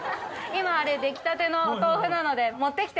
今あれ出来たてのお豆腐なので。